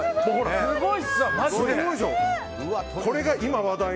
すごい。